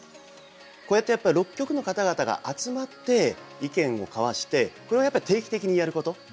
こうやってやっぱり６局の方々が集まって意見を交わしてこれをやっぱり定期的にやること。